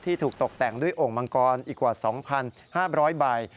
ถูกตกแต่งด้วยโอ่งมังกรอีกกว่า๒๕๐๐ใบ